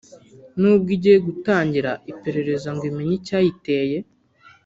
nubwo igiye gutangira iperereza ngo imenye icyayiteye